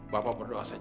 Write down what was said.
bapak berdoa saja